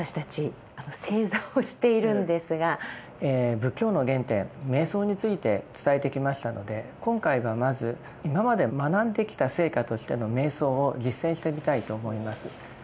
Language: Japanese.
仏教の原点瞑想について伝えてきましたので今回はまず今まで学んできた成果としての瞑想を実践してみたいと思います。